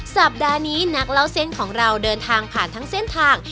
สัปดาห์นี้นักเล่าเส้นของเราเดินทางผ่านทั้งเส้นทาง